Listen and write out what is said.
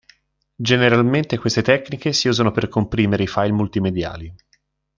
Generalmente queste tecniche si usano per comprimere i file multimediali.